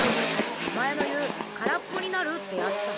お前の言うからっぽになるってやつさ。